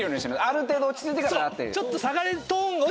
ある程度落ち着いてからって。